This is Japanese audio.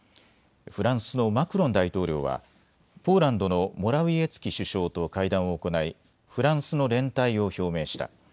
フランスのマクロン大統領はポーランドのモラウィエツキ首相と会談を行いフランスの連帯を表明した。